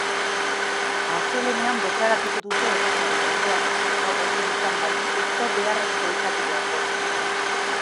Astelehenean deklaratuko dute epailearen aurrean, gaur ezin izan baitituzte beharrezko izapideak bete.